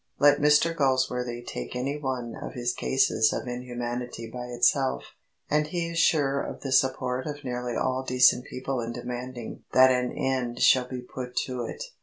Let Mr Galsworthy take any one of his cases of inhumanity by itself, and he is sure of the support of nearly all decent people in demanding that an end shall be put to it.